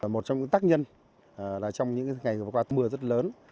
một trong những tác nhân là trong những ngày vừa qua mưa rất lớn